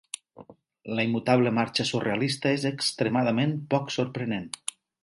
La immutable marxa surrealista és extremadament poc sorprenent.